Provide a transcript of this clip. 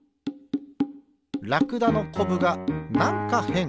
ラクダのこぶがなんかへん。